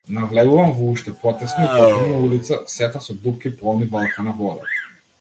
Навлегувам во уште потесна и потемна улица, сета со дупки полни валкана вода.